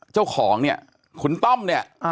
เจ้าของเนี่ยคุณต้อมเนี่ย